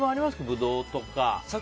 ブドウとか。